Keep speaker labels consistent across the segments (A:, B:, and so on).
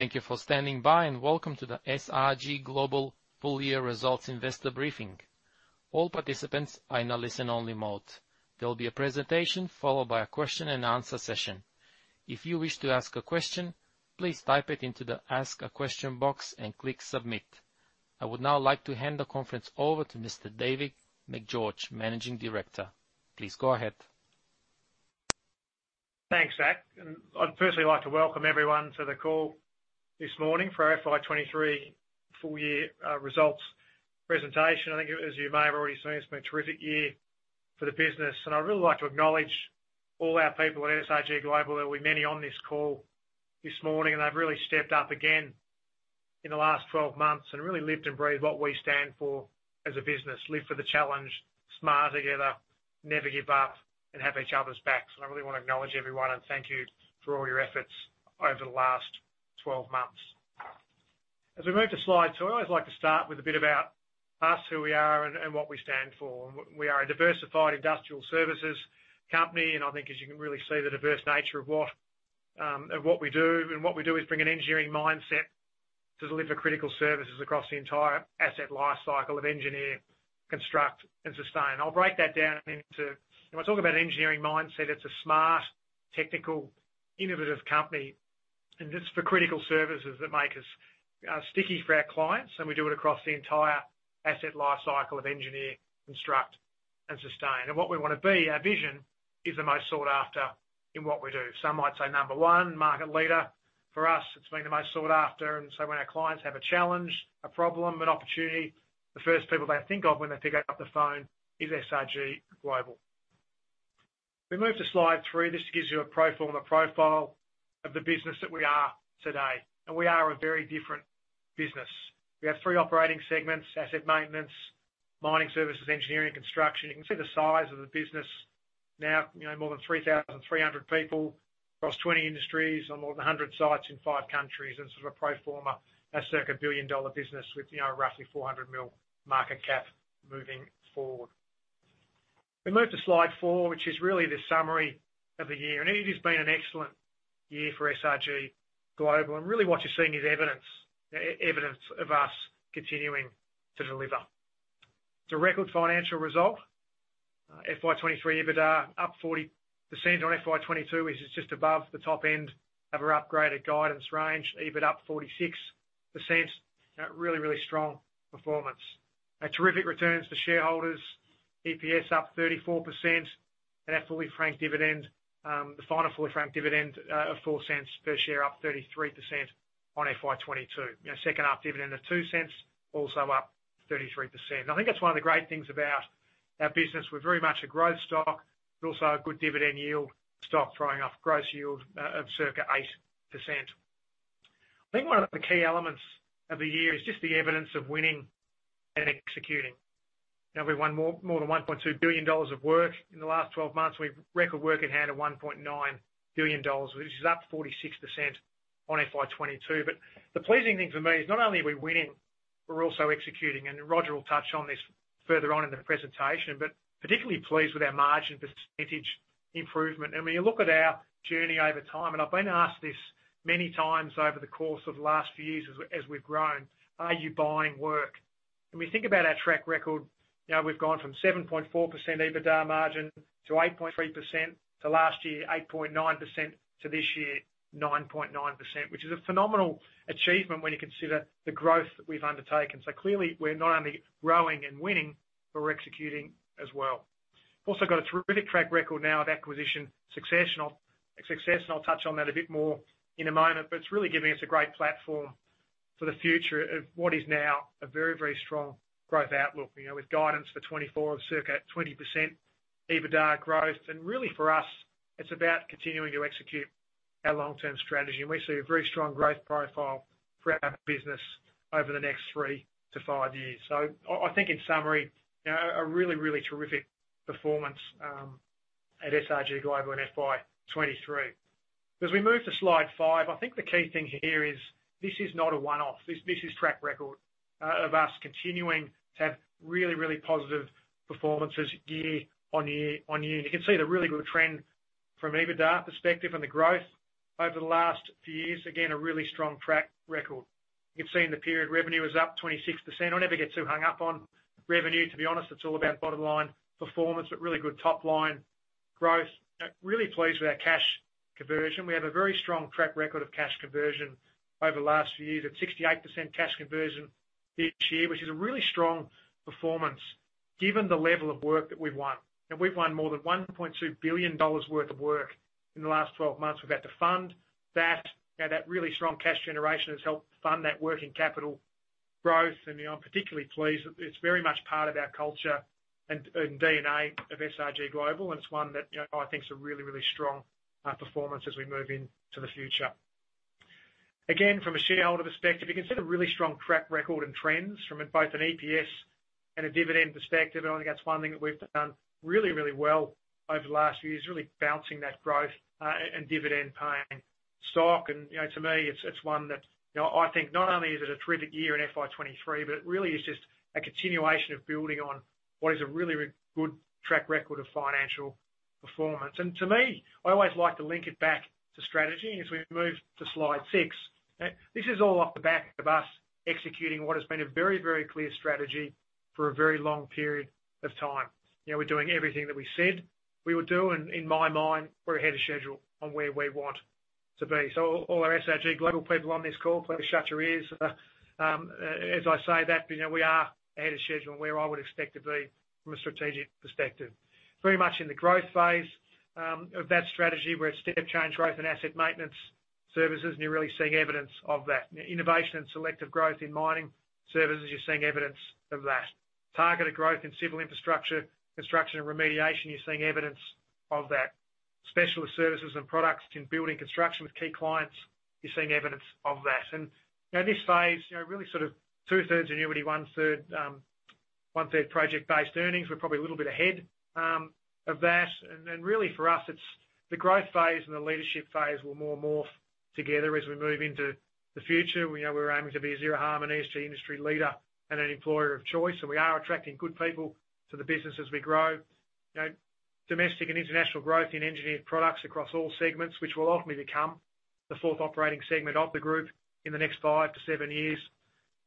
A: Thank you for standing by, welcome to the SRG Global Full Year Results Investor Briefing. All participants are in a listen-only mode. There will be a presentation followed by a question and answer session. If you wish to ask a question, please type it into the Ask a Question box and click Submit. I would now like to hand the conference over to Mr. David Macgeorge, Managing Director. Please go ahead.
B: Thanks, Zach, I'd firstly like to welcome everyone to the call this morning for our FY23 full year results presentation. I think as you may have already seen, it's been a terrific year for the business, I'd really like to acknowledge all our people at SRG Global. There will be many on this call this morning, they've really stepped up again in the last 12 months and really lived and breathed what we stand for as a business. Live for the challenge, smart together, never give up, and have each other's backs. I really want to acknowledge everyone and thank you for all your efforts over the last 12 months. As we move to slides, I always like to start with a bit about us, who we are and what we stand for. We are a diversified industrial services company, and I think as you can really see the diverse nature of what of what we do. What we do is bring an engineering mindset to deliver critical services across the entire asset lifecycle of engineer, construct, and sustain. I'll break that down into. When I talk about engineering mindset, it's a smart, technical, innovative company, and it's for critical services that make us sticky for our clients, and we do it across the entire asset lifecycle of engineer, construct, and sustain. What we wanna be, our vision, is the most sought after in what we do. Some might say number one market leader. For us, it's been the most sought after, and so when our clients have a challenge, a problem, an opportunity, the first people they think of when they pick up the phone is SRG Global. We move to slide 3. This gives you a pro forma profile of the business that we are today, and we are a very different business. We have 3 operating segments: asset maintenance, mining services, engineering, construction. You can see the size of the business now, you know, more than 3,300 people across 20 industries on more than 100 sites in 5 countries, and sort of a pro forma, a circa billion-dollar business with, you know, roughly 400 million market cap moving forward. We move to slide 4, which is really the summary of the year, and it has been an excellent year for SRG Global. Really what you're seeing is evidence of us continuing to deliver. It's a record financial result, FY23 EBITDA, up 40% on FY22, which is just above the top end of our upgraded guidance range, EBIT up 46%. You know, really, really strong performance. A terrific returns to shareholders, EPS up 34%, and our fully franked dividend, the final fully franked dividend, of 0.04 per share, up 33% on FY22. You know, second half dividend of 0.02, also up 33%. I think that's one of the great things about our business. We're very much a growth stock, but also a good dividend yield stock, throwing off gross yield, of circa 8%. I think one of the key elements of the year is just the evidence of winning and executing. Now, we won more than 1.2 billion dollars of work in the last 12 months. We've record work in hand of 1.9 billion dollars, which is up 46% on FY22. The pleasing thing for me is not only are we winning, we're also executing, and Roger will touch on this further on in the presentation, but particularly pleased with our margin percentage improvement. When you look at our journey over time, and I've been asked this many times over the course of the last few years as we, as we've grown: Are you buying work? When we think about our track record, you know, we've gone from 7.4% EBITDA margin to 8.3%, to last year, 8.9%, to this year, 9.9%, which is a phenomenal achievement when you consider the growth that we've undertaken. Clearly, we're not only growing and winning, but we're executing as well. We've also got a terrific track record now of acquisition success, I'll touch on that a bit more in a moment, but it's really giving us a great platform for the future of what is now a very, very strong growth outlook. You know, with guidance for 2024 of circa 20% EBITDA growth, really for us, it's about continuing to execute our long-term strategy. We see a very strong growth profile for our business over the next 3 to 5 years. I, I think in summary, you know, a really, really terrific performance at SRG Global in FY23. As we move to slide 5, I think the key thing here is this is not a one-off. This, this is track record of us continuing to have really, really positive performances year on year on year. You can see the really good trend from an EBITDA perspective and the growth over the last few years. Again, a really strong track record. You've seen the period revenue is up 26%. I'll never get too hung up on revenue, to be honest, it's all about bottom line performance, but really good top line growth. Really pleased with our cash conversion. We have a very strong track record of cash conversion over the last few years at 68% cash conversion this year, which is a really strong performance given the level of work that we've won. We've won more than $1.2 billion worth of work in the last 12 months. We've had to fund that. You know, that really strong cash generation has helped fund that working capital growth, and, you know, I'm particularly pleased that it's very much part of our culture and, and DNA of SRG Global, and it's one that, you know, I think it's a really, really strong performance as we move into the future. Again, from a shareholder perspective, you can see the really strong track record and trends from both an EPS and a dividend perspective. I think that's one thing that we've done really, really well over the last few years, really balancing that growth, and dividend-paying stock. You know, to me, it's, it's one that, you know, I think not only is it a terrific year in FY23, but it really is just a continuation of building on what is a really good track record of performance. To me, I always like to link it back to strategy as we move to slide 6. This is all off the back of us executing what has been a very, very clear strategy for a very long period of time. You know, we're doing everything that we said we would do, and, and in my mind, we're ahead of schedule on where we want to be. All our SRG Global people on this call, please shut your ears, as I say that, but you know, we are ahead of schedule and where I would expect to be from a strategic perspective. Very much in the growth phase of that strategy, where it's step change growth and asset maintenance services, and you're really seeing evidence of that. Innovation and selective growth in mining services, you're seeing evidence of that. Targeted growth in civil infrastructure, construction, and remediation, you're seeing evidence of that. Specialist services and products in building construction with key clients, you're seeing evidence of that. In this phase, you know, really sort of 2/3 annuity, 1/3, 1/3 project-based earnings. We're probably a little bit ahead of that. Really for us, it's the growth phase and the leadership phase will more morph together as we move into the future. We know we're aiming to be a Zero Harm and ESG industry leader and an employer of choice, and we are attracting good people to the business as we grow. You know, domestic and international growth in engineered products across all segments, which will ultimately become the fourth operating segment of the group in the next 5-7 years.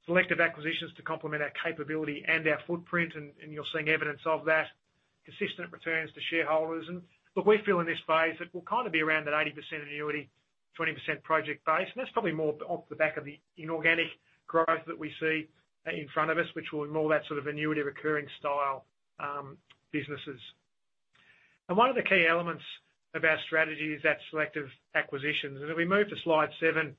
B: Selective acquisitions to complement our capability and our footprint, and you're seeing evidence of that. Consistent returns to shareholders. Look, we feel in this phase it will kind of be around that 80% annuity, 20% project base, and that's probably more off the back of the inorganic growth that we see in front of us, which will involve that sort of annuity, recurring style, businesses. One of the key elements of our strategy is that selective acquisitions. As we move to slide 7,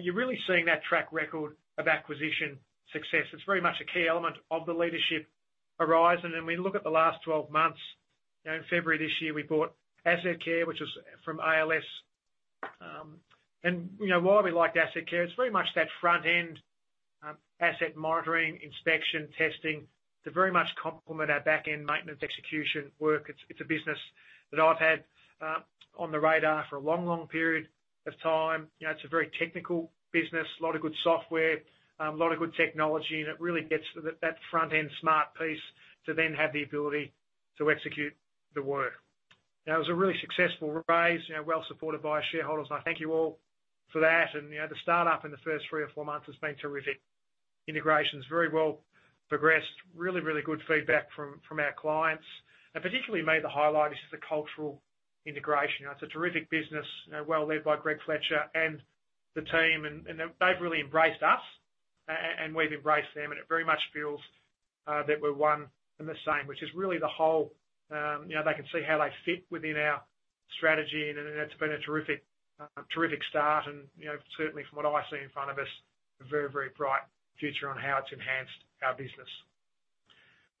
B: you're really seeing that track record of acquisition success. It's very much a key element of the leadership horizon. We look at the last 12 months, you know, in February this year, we bought AssetCare, which was from ALS. You know, why we liked AssetCare, it's very much that front end, asset monitoring, inspection, testing, to very much complement our back-end maintenance execution work. It's, it's a business that I've had on the radar for a long, long period of time. You know, it's a very technical business, a lot of good software, a lot of good technology, it really gets to the, that front-end smart piece to then have the ability to execute the work. Now, it was a really successful raise, you know, well supported by our shareholders, I thank you all for that. You know, the start up in the first 3 or 4 months has been terrific. Integration's very well progressed. Really, really good feedback from, from our clients. Particularly me, the highlight is just the cultural integration. You know, it's a terrific business, you know, well led by Greg Fletcher and the team, and, and they've really embraced us, and we've embraced them, and it very much feels that we're one and the same, which is really the whole. You know, they can see how they fit within our strategy, and, and it's been a terrific, terrific start. You know, certainly from what I see in front of us, a very, very bright future on how it's enhanced our business.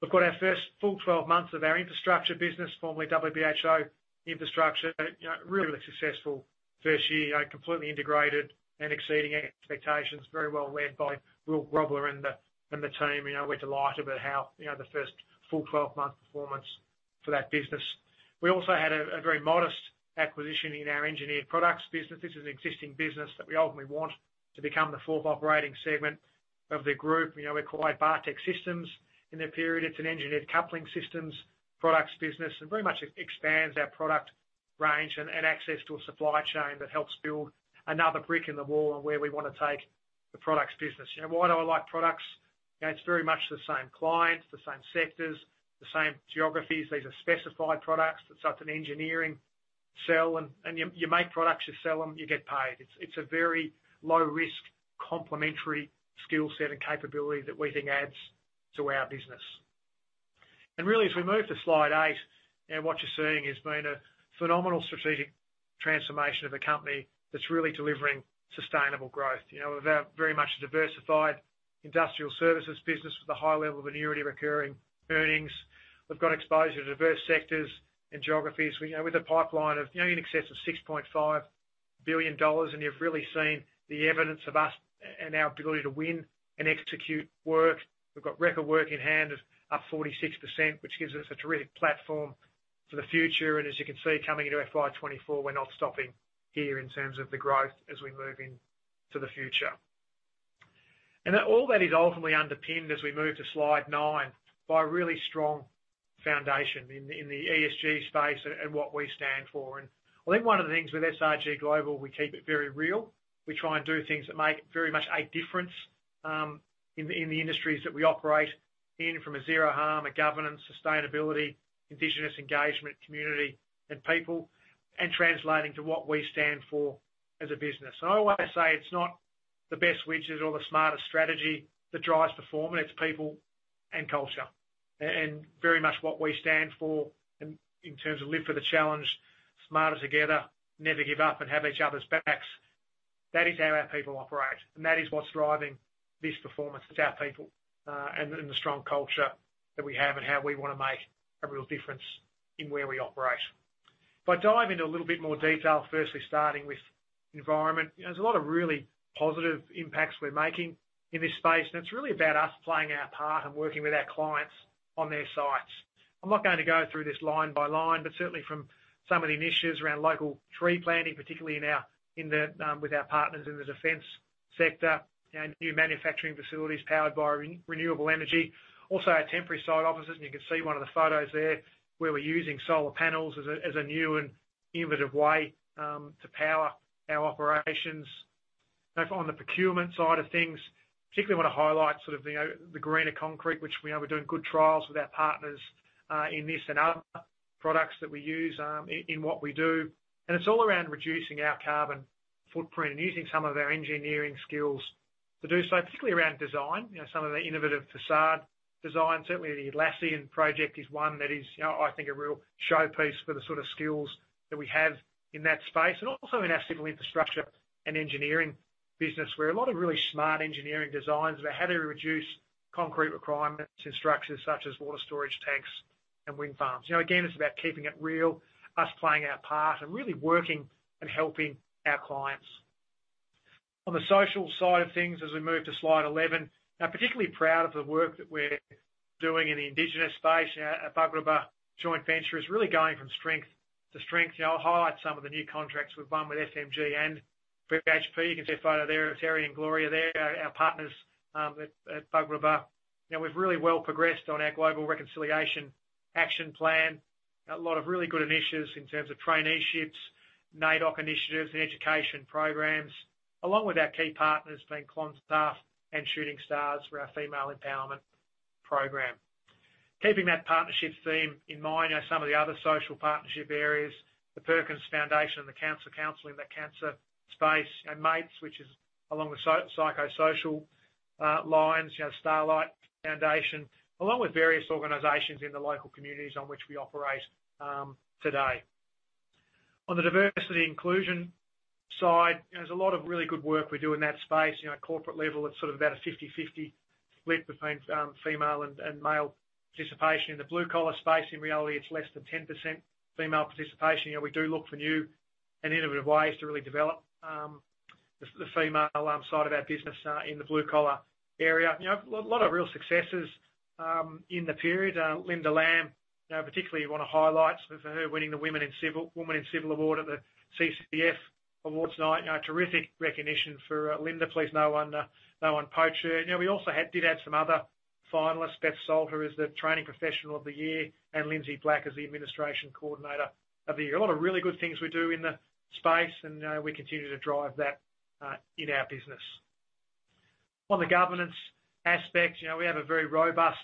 B: We've got our first full 12 months of our infrastructure business, formerly WBHO Infrastructure. You know, really successful first year, you know, completely integrated and exceeding expectations. Very well led by Will Grobler and the, and the team. You know, we're delighted about how, you know, the first full 12-month performance for that business. We also had a very modest acquisition in our engineered products business. This is an existing business that we ultimately want to become the fourth operating segment of the group. You know, we acquired Bartech Systems in the period. It's an engineered coupling systems products business, and very much expands our product range and access to a supply chain that helps built another brick in the wall on where we want to take the products business. You know, why do I like products? You know, it's very much the same clients, the same sectors, the same geographies. These are specified products. It's such an engineering sell, and you make products, you sell them, you get paid. It's a very low risk, complementary skill set and capability that we think adds to our business. Really, as we move to slide 8, and what you're seeing has been a phenomenal strategic transformation of a company that's really delivering sustainable growth. You know, we've had very much a diversified industrial services business with a high level of annuity, recurring earnings. We've got exposure to diverse sectors and geographies. We, you know, with a pipeline of, you know, in excess of 6.5 billion dollars, and you've really seen the evidence of us and our ability to win and execute work. We've got record work in hand of up 46%, which gives us a terrific platform for the future. As you can see, coming into FY24, we're not stopping here in terms of the growth as we move into the future. That all that is ultimately underpinned as we move to slide 9, by a really strong foundation in, in the ESG space and, and what we stand for. I think one of the things with SRG Global, we keep it very real. We try and do things that make very much a difference in, in the industries that we operate in, from a Zero Harm, a governance, sustainability, indigenous engagement, community and people, and translating to what we stand for as a business. I always say it's not the best widgets or the smartest strategy that drives performance, it's people and culture. Very much what we stand for in, in terms of Live for the Challenge, smarter together, never give up and have each other's backs. That is how our people operate, and that is what's driving this performance. It's our people, and the strong culture that we have and how we want to make a real difference in where we operate. If I dive into a little bit more detail, firstly, starting with environment, there's a lot of really positive impacts we're making in this space, and it's really about us playing our part and working with our clients on their sites. I'm not going to go through this line by line, but certainly from some of the initiatives around local tree planting, particularly in the with our partners in the defense sector and new manufacturing facilities powered by renewable energy. Also our temporary site offices, and you can see one of the photos there, where we're using solar panels as a, as a new and innovative way to power our operations. Now, on the procurement side of things, particularly want to highlight sort of the greener concrete, which we know we're doing good trials with our partners in this and other products that we use in what we do. It's all around reducing our carbon footprint and using some of our engineering skills to do so, particularly around design. You know, some of the innovative facade designs. Certainly, the Atlassian project is one that is, you know, I think, a real showpiece for the sort of skills that we have in that space, and also in our civil infrastructure and engineering business, where a lot of really smart engineering designs about how to reduce concrete requirements in structures such as water storage tanks and wind farms. You know, again, it's about keeping it real, us playing our part, and really working and helping our clients. On the social side of things, as we move to slide 11, I'm particularly proud of the work that we're doing in the indigenous space. Our Bugarrba joint venture is really going from strength to strength. I'll highlight some of the new contracts we've won with FMG and BHP. You can see a photo there of Terry and Gloria there, our, our partners, at, at Bugarrba. You know, we've really well progressed on our global reconciliation action plan. A lot of really good initiatives in terms of traineeships, NAIDOC initiatives, and education programs, along with our key partners being Clontarf and Shooting Stars for our female empowerment program. Keeping that partnership theme in mind, are some of the other social partnership areas, the Perkins Foundation and the Cancer Council in the cancer space, and MATES, which is along the psy- psychosocial lines, you know, Starlight Foundation, along with various organizations in the local communities on which we operate today. On the diversity inclusion side, there's a lot of really good work we do in that space. You know, at corporate level, it's sort of about a 50/50 split between female and, and male participation. In the blue-collar space, in reality, it's less than 10% female participation. You know, we do look for new and innovative ways to really develop the, the female side of our business in the blue-collar area. You know, a lot of real successes in the period. Linda Lamb, I particularly want to highlight for her winning the Women in Civil Award at the CCF awards night. You know, a terrific recognition for Linda. Please, no one, no one poach her. You know, we also did add some other finalists. Beth Salter is the Training Professional of the Year, and Lindsay Black is the Administration Coordinator of the Year. A lot of really good things we do in the space, and we continue to drive that in our business. On the governance aspect, you know, we have a very robust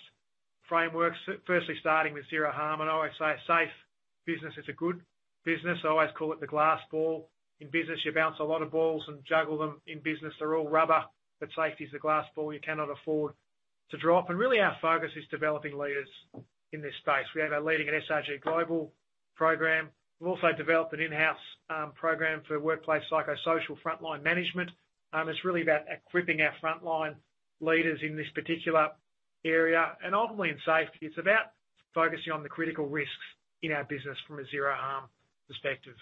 B: framework, firstly, starting with Zero Harm, and I always say, a safe business is a good business. I always call it the glass ball. In business, you bounce a lot of balls and juggle them. In business, they're all rubber, but safety is a glass ball you cannot afford to drop. Really, our focus is developing leaders in this space. We have our Leading@ SRG Global program. We've also developed an in-house program for workplace psychosocial frontline management. It's really about equipping our frontline leaders in this particular area, and ultimately in safety. It's about focusing on the critical risks in our business from a Zero Harm perspective.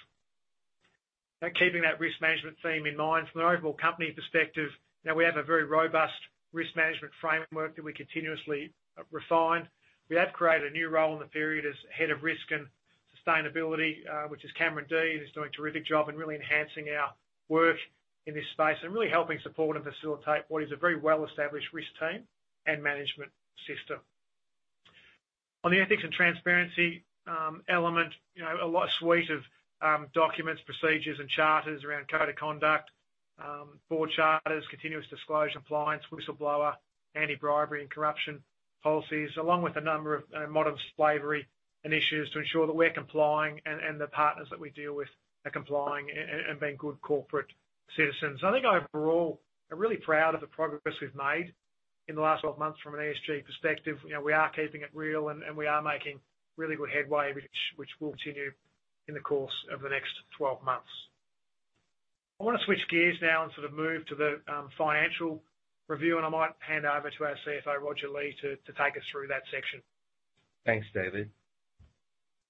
B: Keeping that risk management theme in mind, from an overall company perspective, now, we have a very robust risk management framework that we continuously refine. We have created a new role in the period as Head of Risk and Sustainability, which is Cameron Dee, who's doing a terrific job in really enhancing our work in this space and really helping support and facilitate what is a very well-established risk team and management system. On the ethics and transparency element, you know, a lot suite of documents, procedures, and charters around code of conduct, board charters, continuous disclosure and compliance, whistleblower, anti-bribery and corruption policies, along with a number of modern slavery initiatives to ensure that we're complying, and the partners that we deal with are complying and being good corporate citizens. I think overall, I'm really proud of the progress we've made in the last 12 months from an ESG perspective. You know, we are keeping it real, and we are making really good headway, which will continue in the course of the next 12 months. I want to switch gears now and sort of move to the financial review, and I might hand over to our CFO, Roger Lee, to take us through that section.
C: Thanks, David.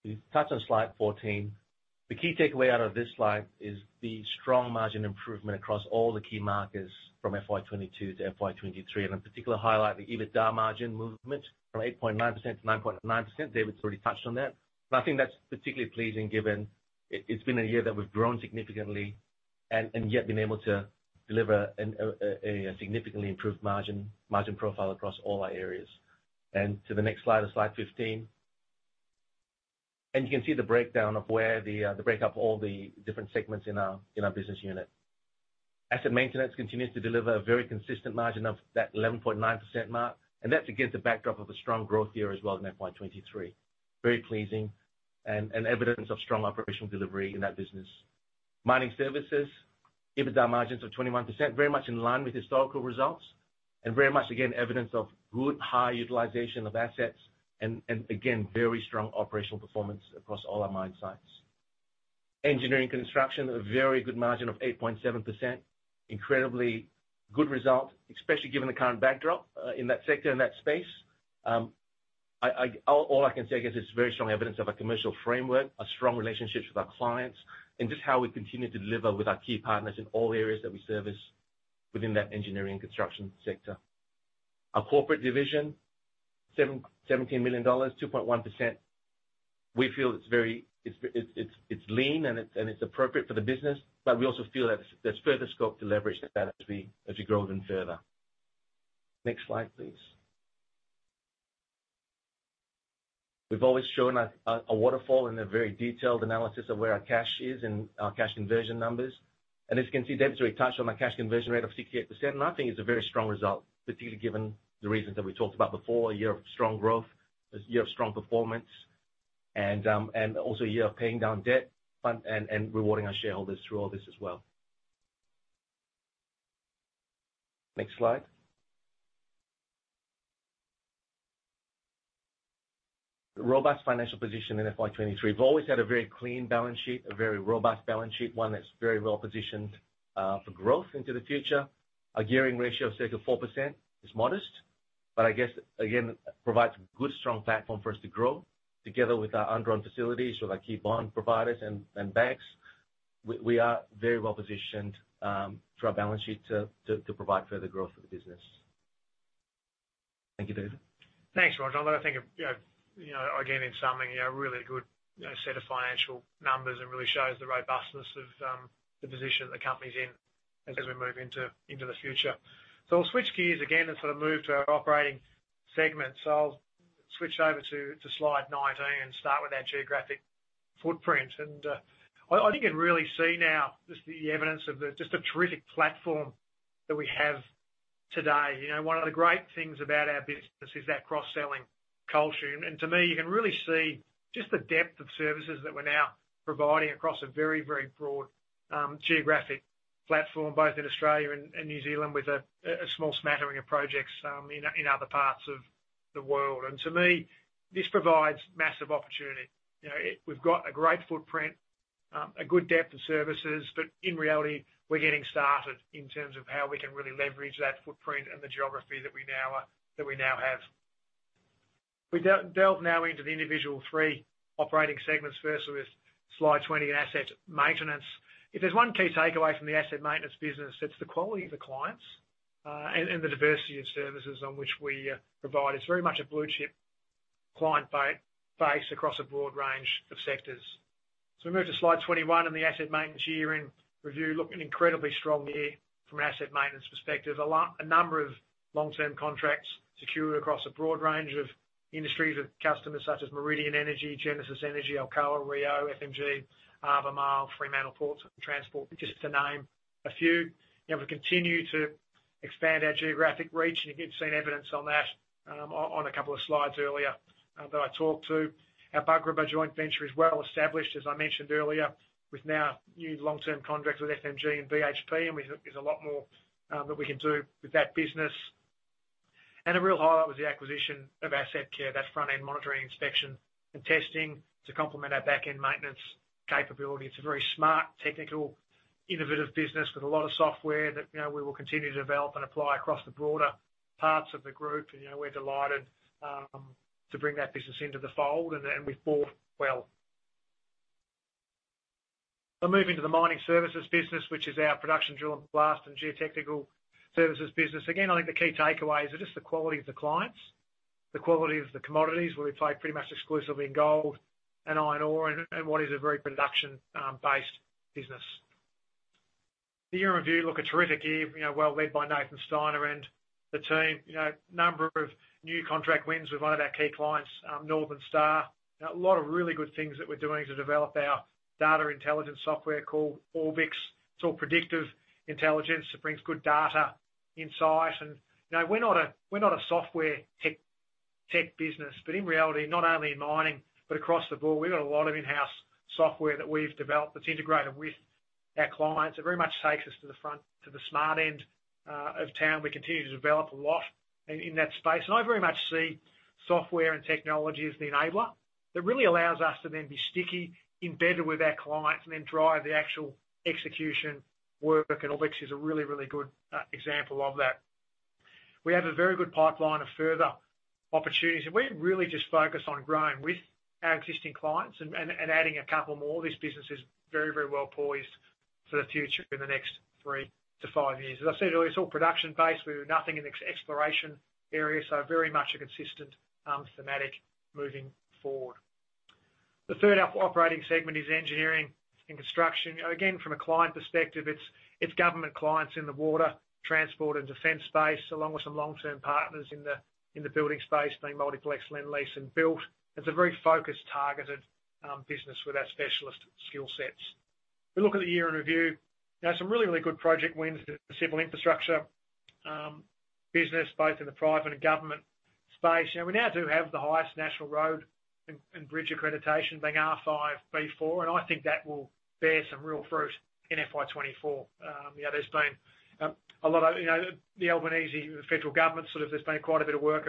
C: We've touched on slide 14. The key takeaway out of this slide is the strong margin improvement across all the key markers from FY22 to FY23, and in particular, highlight the EBITDA margin movement from 8.9%-9.9%. David's already touched on that. I think that's particularly pleasing, given it's been a year that we've grown significantly and, and yet been able to deliver a significantly improved margin, margin profile across all our areas. To the next slide, slide 15, and you can see the breakdown of where the breakup of all the different segments in our, in our business unit. Asset maintenance continues to deliver a very consistent margin of that 11.9% mark, and that's against the backdrop of a strong growth year as well in FY23. Very pleasing and, and evidence of strong operational delivery in that business. Mining services, EBITDA margins of 21%, very much in line with historical results, and very much, again, evidence of good high utilization of assets, and, and again, very strong operational performance across all our mine sites. Engineering construction, a very good margin of 8.7%. Incredibly good result, especially given the current backdrop, in that sector and that space. All I can say, I guess, it's very strong evidence of a commercial framework, a strong relationships with our clients, and just how we continue to deliver with our key partners in all areas that we service within that engineering construction sector. Our corporate division, 17 million dollars, 2.1%. We feel it's very, it's, it's, it's lean, and it's, and it's appropriate for the business, but we also feel that there's further scope to leverage that as we, as we grow even further. Next slide, please. We've always shown a, a waterfall and a very detailed analysis of where our cash is and our cash conversion numbers. As you can see, David Macgeorge already touched on our cash conversion rate of 68%, and I think it's a very strong result, particularly given the reasons that we talked about before: a year of strong growth, a year of strong performance, and also a year of paying down debt, and rewarding our shareholders through all this as well. Next slide. The robust financial position in FY23. We've always had a very clean balance sheet, a very robust balance sheet, one that's very well positioned for growth into the future. Our gearing ratio of circa 4% is modest, I guess, again, provides a good, strong platform for us to grow together with our undrawn facilities, with our key bond providers and banks. We are very well positioned through our balance sheet to provide further growth for the business. Thank you, David.
B: Thanks, Roger. Well, I think, you know, you know, again, in summing, a really good, you know, set of financial numbers. It really shows the robustness of the position that the company's in as we move into the future. I'll switch gears again and sort of move to our operating segments. I'll switch over to slide 19 and start with our geographic footprint. I, I think you can really see now just the evidence of the terrific platform that we have today. You know, one of the great things about our business is that cross-selling culture, to me, you can really see just the depth of services that we're now providing across a very, very broad geographic platform, both in Australia and, and New Zealand, with a, a small smattering of projects in, in other parts of the world. To me, this provides massive opportunity. You know, we've got a great footprint, a good depth of services, but in reality, we're getting started in terms of how we can really leverage that footprint and the geography that we now that we now have. We delve now into the individual three operating segments, first with slide 20, Asset Maintenance. If there's one key takeaway from the asset maintenance business, it's the quality of the clients, and the diversity of services on which we provide. It's very much a blue chip client base across a broad range of sectors. We move to slide 21, and the asset maintenance year in review. Look, an incredibly strong year from an asset maintenance perspective. A number of long-term contracts secured across a broad range of industries with customers such as Meridian Energy, Genesis Energy, Alcoa, Rio, FMG, Albemarle, Fremantle Ports, and Transport, just to name a few. You know, we continue to expand our geographic reach, and you've seen evidence on that, on a couple of slides earlier, that I talked to. Our Bugarrba joint venture is well established, as I mentioned earlier, with now new long-term contracts with FMG and BHP, and there's a lot more that we can do with that business. A real highlight was the acquisition of AssetCare, that front-end monitoring, inspection, and testing to complement our back-end maintenance capability. It's a very smart, technical, innovative business with a lot of software that, you know, we will continue to develop and apply across the broader parts of the group. You know, we're delighted to bring that business into the fold, and, and we thought, well. I'll move into the mining services business, which is our production drill and blast and geotechnical services business. Again, I think the key takeaway is just the quality of the clients, the quality of the commodities, where we play pretty much exclusively in gold and iron ore, and, and what is a very production, based business. The year in review, look, a terrific year, you know, well led by Nathan Steiner and the team. You know, a number of new contract wins with one of our key clients, Northern Star. A lot of really good things that we're doing to develop our data intelligence software called Orbix. It's all predictive intelligence that brings good data insight. You know, we're not a, we're not a software tech, tech business, but in reality, not only in mining, but across the board, we've got a lot of in-house software that we've developed that's integrated with our clients. It very much takes us to the front, to the smart end of town. We continue to develop a lot in that space, and I very much see software and technology as the enabler that really allows us to then be sticky, embedded with our clients, and then drive the actual execution work, and Orbix is a really, really good example of that. We have a very good pipeline of further opportunities, and we're really just focused on growing with our existing clients and adding a couple more. This business is very, very well poised for the future in the next three to five years. As I said earlier, it's all production-based. We've nothing in the ex-exploration area, so very much a consistent thematic moving forward. The third operating segment is engineering and construction. Again, from a client perspective, it's, it's government clients in the water, transport, and defense space, along with some long-term partners in the, in the building space, being Multiplex, Lendlease, and Built. It's a very focused, targeted business with our specialist skill sets. We look at the year in review. Now, some really, really good project wins in the civil infrastructure business, both in the private and government space. You know, we now do have the highest national road and, and bridge accreditation, being R5B4, and I think that will bear some real fruit in FY24. You know, there's been a lot of, you know... The Albanese federal government, sort of, there's been quite a bit of work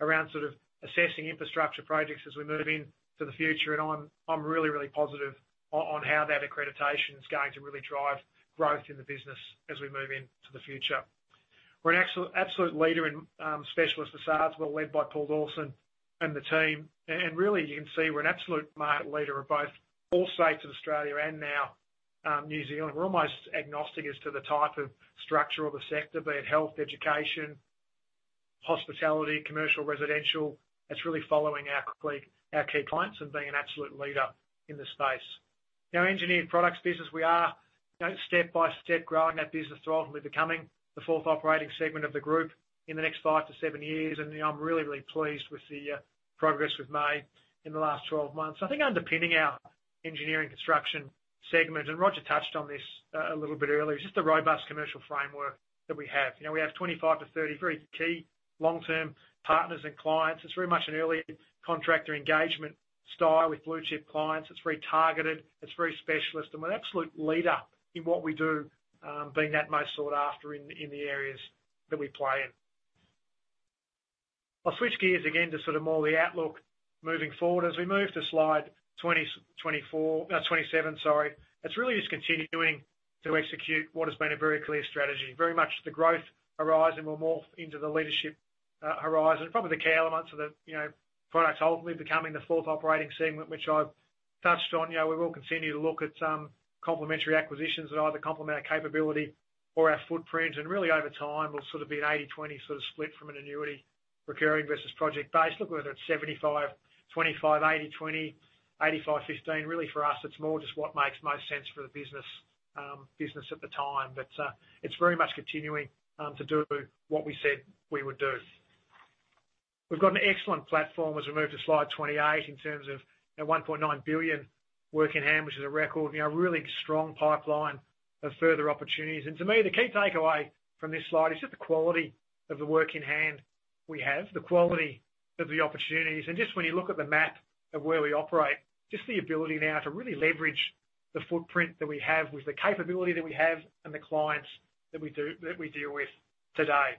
B: around sort of assessing infrastructure projects as we move into the future. I'm really, really positive on how that accreditation is going to really drive growth in the business as we move into the future. We're an absolute leader in specialist facades. We're led by Paul Dawson and the team. Really, you can see we're an absolute market leader of both all states of Australia and now New Zealand. We're almost agnostic as to the type of structure or the sector, be it health, hospitality, commercial, residential, it's really following our quickly, our key clients and being an absolute leader in the space. Our engineered products business, we are, you know, step by step, growing that business to ultimately becoming the fourth operating segment of the group in the next five to seven years. You know, I'm really, really pleased with the progress we've made in the last 12 months. I think underpinning our engineering construction segment, and Roger touched on this, a little bit earlier, is just the robust commercial framework that we have. You know, we have 25 to 30 very key long-term partners and clients. It's very much an early contractor engagement style with blue chip clients. It's very targeted, it's very specialist, and we're an absolute leader in what we do, being that most sought after in, in the areas that we play in. I'll switch gears again to sort of more the outlook moving forward. As we move to slide 24, 27, sorry. It's really just continuing to execute what has been a very clear strategy, very much the growth horizon will morph into the leadership horizon. Probably the key elements of the, you know, products ultimately becoming the fourth operating segment, which I've touched on. You know, we will continue to look at some complementary acquisitions that either complement our capability or our footprint, and really, over time, we'll sort of be an 80/20 sort of split from an annuity recurring versus project base. Look, whether it's 75/25, 80/20, 85/15, really for us, it's more just what makes most sense for the business at the time. It's very much continuing to do what we said we would do. We've got an excellent platform, as we move to slide 28, in terms of an 1.9 billion work in hand, which is a record. You know, a really strong pipeline of further opportunities. To me, the key takeaway from this slide is just the quality of the work in hand we have, the quality of the opportunities. Just when you look at the map of where we operate, just the ability now to really leverage the footprint that we have with the capability that we have and the clients that we deal with today.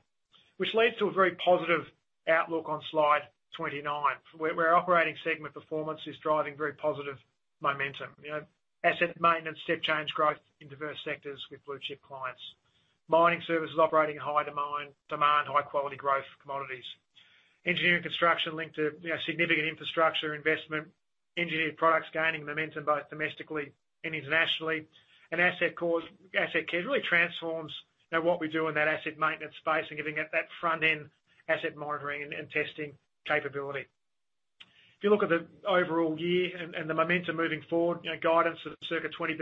B: Which leads to a very positive outlook on slide 29, where our operating segment performance is driving very positive momentum. You know, asset maintenance, step change growth in diverse sectors with blue chip clients. Mining services operating at high demand, high quality growth commodities. Engineering and construction linked to, you know, significant infrastructure investment. Engineered products gaining momentum both domestically and internationally. AssetCare, AssetCare really transforms, you know, what we do in that asset maintenance space and giving it that front-end asset monitoring and, and testing capability. If you look at the overall year and, and the momentum moving forward, you know, guidance of circa 20%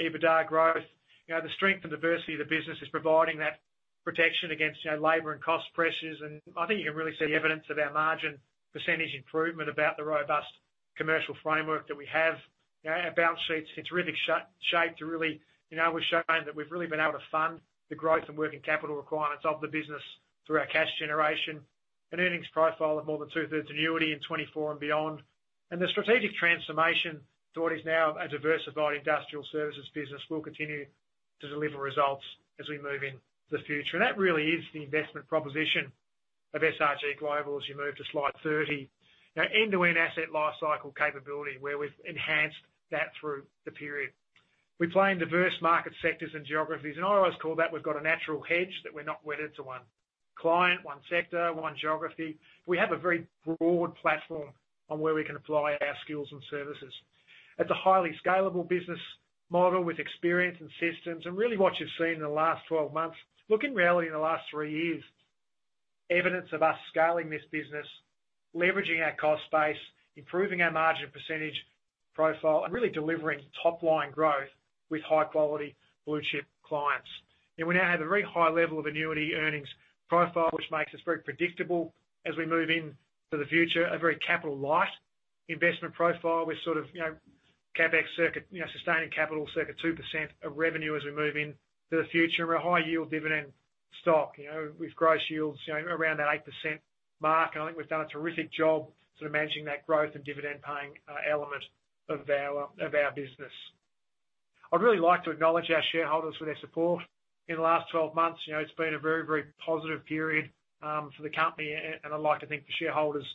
B: EBITDA growth, you know, the strength and diversity of the business is providing that protection against, you know, labor and cost pressures. I think you can really see the evidence of our margin % improvement about the robust commercial framework that we have. You know, our balance sheet, it's in terrific shape to really. You know, we've shown that we've really been able to fund the growth and working capital requirements of the business through our cash generation. An earnings profile of more than two-thirds annuity in 2024 and beyond. The strategic transformation to what is now a diversified industrial services business, will continue to deliver results as we move in the future. That really is the investment proposition of SRG Global as you move to slide 30. Our end-to-end asset lifecycle capability, where we've enhanced that through the period. We play in diverse market sectors and geographies, and I always call that, we've got a natural hedge, that we're not wedded to one client, one sector, one geography. We have a very broad platform on where we can apply our skills and services. It's a highly scalable business model with experience and systems, and really what you've seen in the last 12 months, look, in reality, in the last 3 years, evidence of us scaling this business, leveraging our cost base, improving our margin % profile, and really delivering top-line growth with high-quality blue chip clients. We now have a very high level of annuity earnings profile, which makes us very predictable as we move in to the future. A very capital light investment profile with CapEx circuit sustaining capital, circa 2% of revenue as we move into the future. We're a high yield dividend stock with gross yields around that 8% mark. I think we've done a terrific job managing that growth and dividend paying element of our business. I'd really like to acknowledge our shareholders for their support in the last 12 months. It's been a very, very positive period for the company, and I'd like to thank the shareholders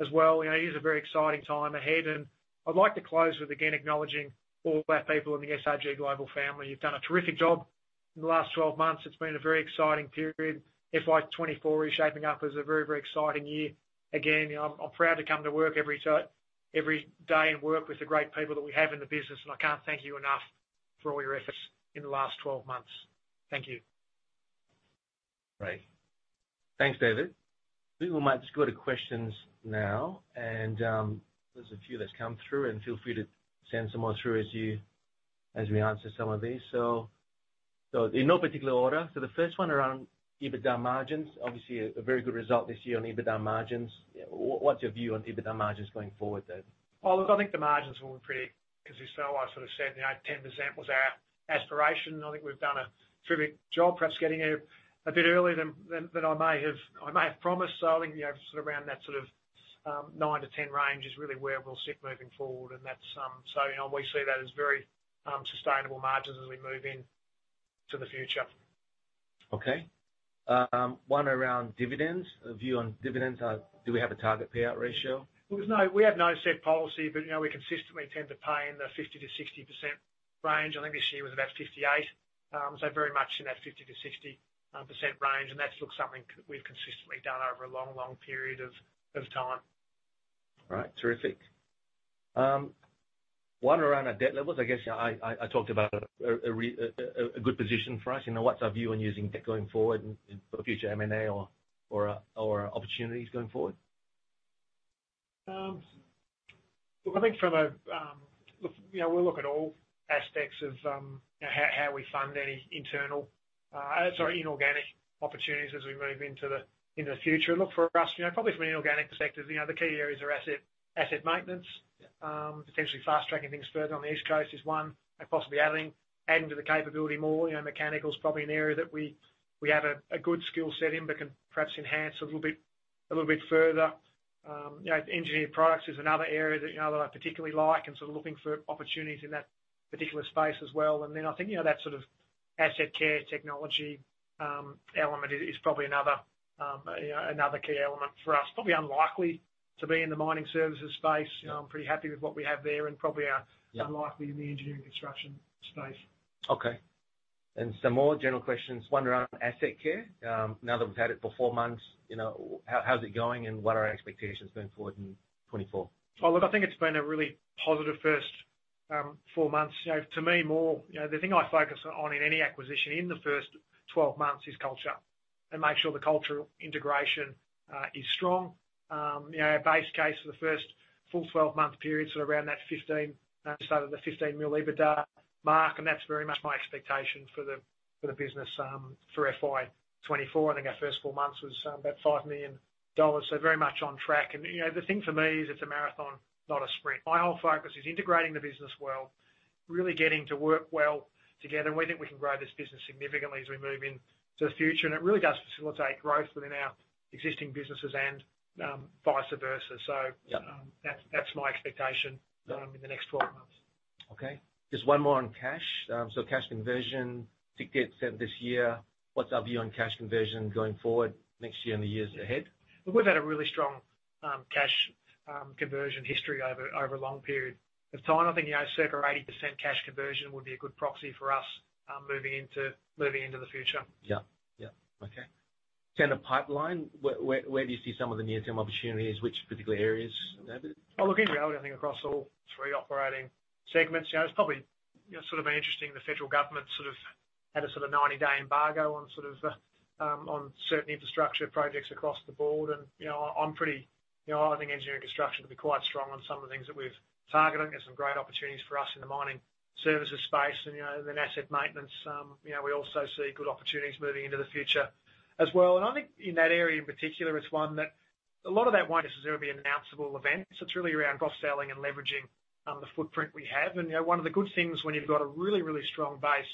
B: as well. You know, it is a very exciting time ahead, and I'd like to close with again, acknowledging all our people in the SRG Global family. You've done a terrific job in the last 12 months. It's been a very exciting period. FY24 is shaping up as a very, very exciting year. Again, you know, I'm, I'm proud to come to work every ti- every day and work with the great people that we have in the business, and I can't thank you enough for all your efforts in the last 12 months. Thank you.
C: Great. Thanks, David. We might just go to questions now, and there's a few that's come through, and feel free to send some more through as we answer some of these. So in no particular order, so the first one around EBITDA margins, obviously a very good result this year on EBITDA margins. What's your view on EBITDA margins going forward, David?
B: Well, look, I think the margins will be pretty consistent. I sort of said, you know, 10% was our aspiration. I think we've done a terrific job, perhaps getting here a bit earlier than, than, than I may have, I may have promised. I think, you know, sort of around that sort of, 9 to 10 range is really where we'll sit moving forward. That's, so, you know, we see that as very, sustainable margins as we move into the future.
C: Okay. 1 around dividends, a view on dividends. Do we have a target payout ratio?
B: Well, we have no set policy, but, you know, we consistently tend to pay in the 50%-60% range. I think this year was about 58. Very much in that 50%-60% range, and that's looks something we've consistently done over a long, long period of time.
C: All right, terrific. One around our debt levels, I guess, yeah, I, I, I talked about a good position for us. You know, what's our view on using debt going forward and for future M&A or opportunities going forward?
B: Look, I think from a, look, you know, we'll look at all aspects of, you know, how, how we fund any internal, sorry, inorganic opportunities as we move into the, into the future. Look, for us, you know, probably from an inorganic perspective, you know, the key areas are asset, asset maintenance.
C: Yeah.
B: Potentially fast-tracking things further on the East Coast is one, and possibly adding, adding to the capability more. You know, mechanical's probably an area that we, we have a, a good skill set in, but can perhaps enhance a little bit, a little bit further. You know, engineered products is another area that, you know, that I particularly like, and sort of looking for opportunities in that particular space as well. Then I think, you know, that sort of asset care technology element is, is probably another, you know, another key element for us. Probably unlikely to be in the mining services space.
C: Yeah.
B: You know, I'm pretty happy with what we have there, and probably.
C: Yeah
B: ...unlikely in the engineering construction space.
C: Okay. Some more general questions, one around AssetCare. Now that we've had it for four months, you know, how, how's it going, and what are our expectations going forward in 2024?
B: Oh, look, I think it's been a really positive first four months. You know, to me, more... You know, the thing I focus on, in any acquisition in the first 12 months, is culture, make sure the cultural integration is strong. You know, our base case for the first full 12-month period, sort of around that 15, so the $15 million EBITDA mark, that's very much my expectation for the, for the business for FY24. I think our first four months was about $5 million, so very much on track. You know, the thing for me is it's a marathon, not a sprint. My whole focus is integrating the business well, really getting to work well together, we think we can grow this business significantly as we move into the future. it really does facilitate growth within our existing businesses and, vice versa.
C: Yeah...
B: that's, that's my expectation.
C: Yeah...
B: in the next 12 months.
C: Okay. Just one more on cash. Cash conversion ticket said this year, what's our view on cash conversion going forward next year and the years ahead?
B: We've had a really strong, cash, conversion history over, over a long period of time. I think, you know, circa 80% cash conversion would be a good proxy for us, moving into, moving into the future.
C: Yeah. Yeah. Okay. In the pipeline, where, where, where do you see some of the near-term opportunities? Which particular areas, David?
B: Well, look, in reality, I think across all 3 operating segments, you know, it's probably, you know, sort of interesting. The federal government sort of had a sort of 90-day embargo on sort of, on certain infrastructure projects across the board, you know, I'm pretty... You know, I think engineering construction will be quite strong on some of the things that we've targeted, and some great opportunities for us in the mining services space. You know, asset maintenance, you know, we also see good opportunities moving into the future as well. I think in that area in particular, it's 1 that a lot of that won't necessarily be an announceable event. It's really around cross-selling and leveraging, the footprint we have. You know, one of the good things when you've got a really, really strong base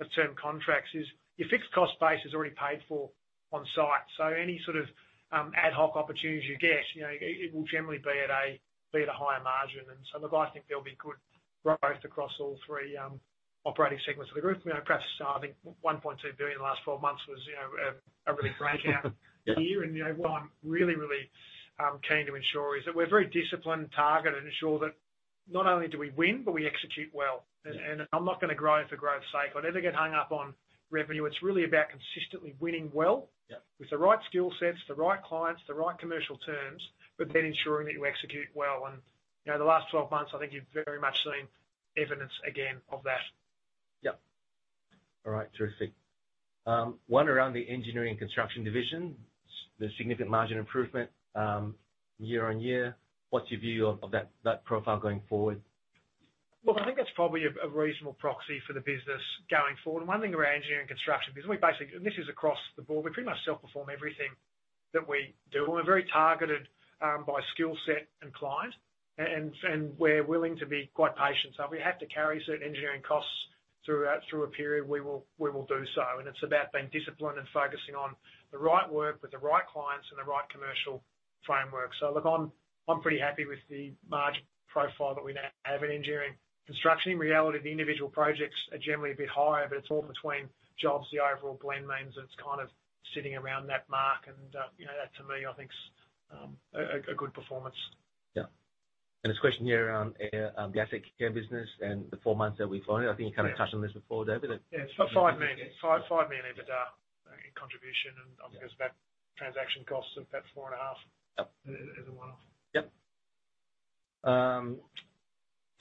B: of term contracts is your fixed cost base is already paid for on site, so any sort of ad hoc opportunities you get, you know, it, it will generally be at a, be at a higher margin. Look, I think there'll be good growth across all three operating segments of the group. You know, perhaps, I think 1.2 billion in the last 12 months was, you know, a, a really great count -
C: Yeah...
B: year. You know, what I'm really, really, keen to ensure is that we're very disciplined, targeted, and ensure that not only do we win, but we execute well.
C: Yeah.
B: I'm not gonna grow for growth's sake. I never get hung up on revenue. It's really about consistently winning well-
C: Yeah...
B: with the right skill sets, the right clients, the right commercial terms, but then ensuring that you execute well. You know, the last 12 months, I think you've very much seen evidence again of that.
C: Yep. All right, terrific. One around the engineering and construction division, the significant margin improvement, year-over-year. What's your view of, of that, that profile going forward?
B: Look, I think that's probably a, a reasonable proxy for the business going forward. One thing around engineering and construction, because we basically, and this is across the board, we pretty much self-perform everything that we do, and we're very targeted by skill set and client, and we're willing to be quite patient. If we have to carry certain engineering costs throughout, through a period, we will, we will do so, and it's about being disciplined and focusing on the right work with the right clients and the right commercial framework. Look, I'm, I'm pretty happy with the margin profile that we now have in engineering and construction. In reality, the individual projects are generally a bit higher, but it's all between jobs. The overall blend means that it's kind of sitting around that mark, and, you know, that to me, I think, is, a, a, a good performance.
C: Yeah. This question here around the AssetCare business and the four months that we've owned it.
B: Yeah.
C: I think you kind of touched on this before, David McGeorge.
B: Yeah, it's about 5 million EBITDA in contribution.
C: Yeah.
B: obviously, there's about transaction costs of about 4.5-
C: Yep...
B: as a one-off.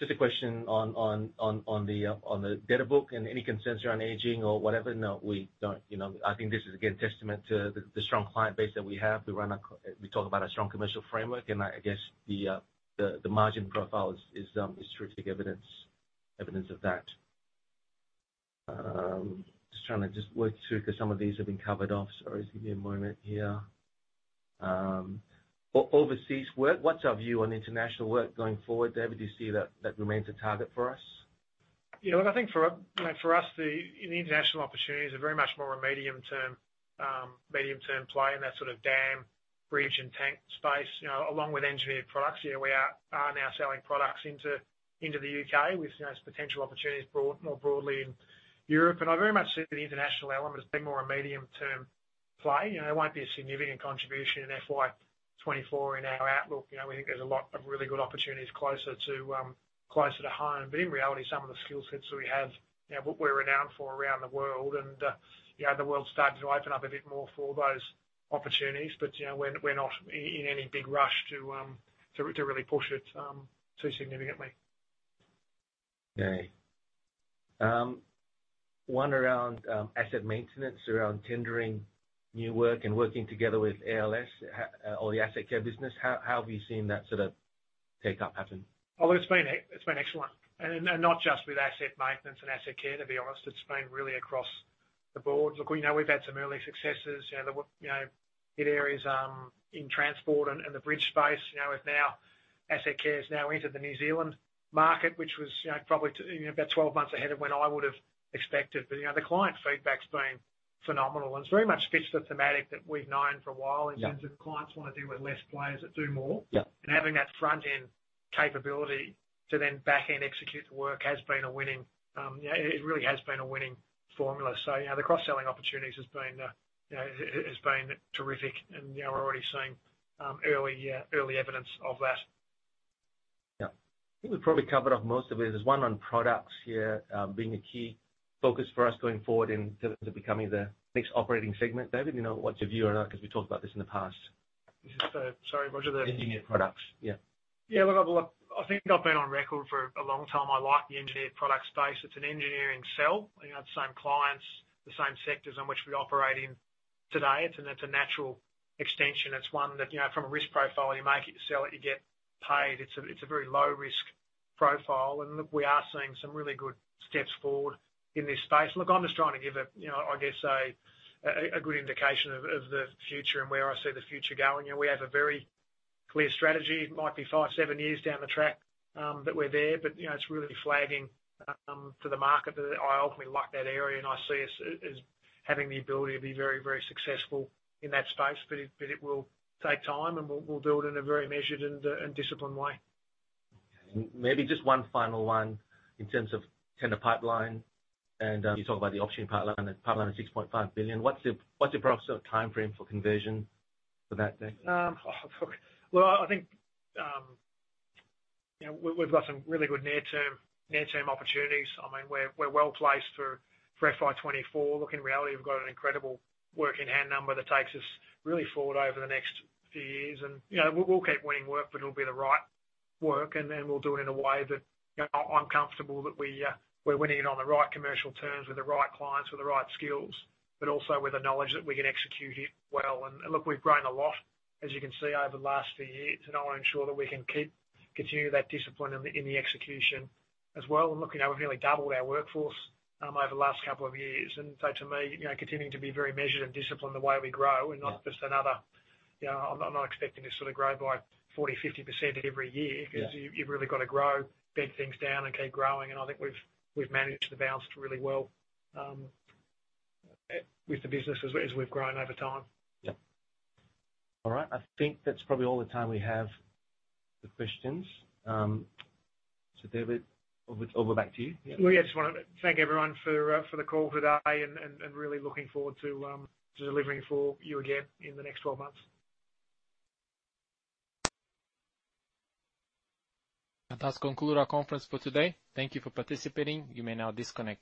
C: Yep. Just a question on the data book and any concerns around aging or whatever? No, we don't... You know, I think this is, again, testament to the strong client base that we have. We run a c- we talk about a strong commercial framework, and I, I guess the margin profile is, is terrific evidence, evidence of that. Just trying to just work through, because some of these have been covered off. Sorry, just give me a moment here. Overseas work, what's our view on international work going forward, David? Do you see that, that remains a target for us?
B: Yeah, look, I think for, you know, for us, the, the international opportunities are very much more a medium-term, medium-term play in that sort of dam, bridge, and tank space, you know, along with engineered products. You know, we are, are now selling products into, into the UK, with, you know, potential opportunities more broadly in Europe. I very much see the international element as being more a medium-term play. You know, it won't be a significant contribution in FY '24 in our outlook. You know, we think there's a lot of really good opportunities closer to, closer to home. In reality, some of the skillsets that we have, you know, what we're renowned for around the world, and, you know, the world's starting to open up a bit more for those opportunities. You know, we're not, we're not in, in any big rush to, to really push it, too significantly....
C: Okay. One around asset maintenance, around tendering new work and working together with ALS, or the asset care business. How, how have you seen that sort of take up happen?
B: Oh, it's been excellent, and, and not just with asset maintenance and asset care, to be honest, it's been really across the board. Look, we know we've had some early successes, you know, you know, hit areas, in transport and, and the bridge space. You know, we've now AssetCare's now entered the New Zealand market, which was, you know, probably you know, about 12 months ahead of when I would've expected. You know, the client feedback's been phenomenal, and it's very much fits the thematic that we've known for a while.
C: Yeah.
B: In terms of clients want to deal with less players that do more.
C: Yeah.
B: Having that front end capability to then back end execute the work has been a winning. Yeah, it, it really has been a winning formula. You know, the cross-selling opportunities has been, you know, has been terrific, and you know, we're already seeing early, yeah, early evidence of that.
C: Yeah. I think we've probably covered off most of it. There's one on products here, being a key focus for us going forward in terms of becoming the next operating segment. David, you know, what's your view on that? Because we talked about this in the past.
B: Sorry, what was the-
C: Engineered products. Yeah.
B: Yeah, look, I, look, I think I've been on record for a long time. I like the engineered product space. It's an engineering sell. You know, the same clients, the same sectors in which we operate in today. It's a natural extension. It's one that, you know, from a risk profile, you make it, you sell it, you get paid. It's a, it's a very low risk profile, and look, we are seeing some really good steps forward in this space. Look, I'm just trying to give a, you know, I guess a good indication of the future and where I see the future going. You know, we have a very clear strategy. It might be 5, 7 years down the track, that we're there, but, you know, it's really flagging to the market that I ultimately like that area, and I see us as having the ability to be very, very successful in that space. It, but it will take time, and we'll, we'll built it in a very measured and disciplined way.
C: Okay. Maybe just one final one in terms of tender pipeline, and, you talked about the auction pipeline, that pipeline of $6.5 billion. What's the, what's your approximate timeframe for conversion for that then?
B: Well, I think, you know, we've got some really good near-term, near-term opportunities. I mean, we're well placed for FY24. Look, in reality, we've got an incredible work in hand number that takes us really forward over the next few years. You know, we'll keep winning work, but it'll be the right work, and then we'll do it in a way that, you know, I'm comfortable that we're winning it on the right commercial terms with the right clients, with the right skills, but also with the knowledge that we can execute it well. Look, we've grown a lot, as you can see, over the last few years, and I want to ensure that we can keep continuing that discipline in the execution as well. Look, you know, we've nearly doubled our workforce over the last couple of years. So to me, you know, continuing to be very measured and disciplined in the way we grow...
C: Yeah...
B: and not just another, you know, I'm not, I'm not expecting to sort of grow by 40%, 50% every year.
C: Yeah.
B: 'Cause you, you've really got to grow, bed things down and keep growing, and I think we've, we've managed the balance really well, with the business as we, as we've grown over time.
C: Yeah. All right. I think that's probably all the time we have for questions. David Macgeorge, over, over back to you.
B: Yeah, I just wanted to thank everyone for, for the call today and, and, and really looking forward to, to delivering for you again in the next 12 months.
A: That does conclude our conference for today. Thank you for participating. You may now disconnect.